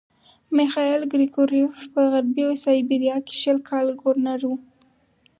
میخایل ګریګورویوف په غربي سایبیریا کې شل کاله ګورنر وو.